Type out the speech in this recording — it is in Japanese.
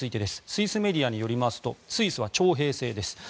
スイスメディアによりますとスイスは徴兵制です。